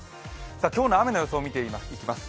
今日の雨の予想を見ていきます。